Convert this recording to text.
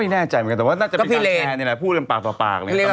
แน่ใจเหมือนกันแต่ว่าน่าจะมีคนแชร์นี่แหละพูดกันปากต่อปากเลย